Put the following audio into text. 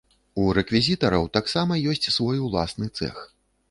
У рэквізітараў таксама ёсць свой уласны цэх.